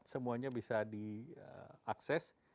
semuanya bisa diakses